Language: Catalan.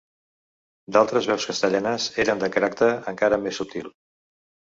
D'altres veus castellanes eren de caràcter encara més subtil.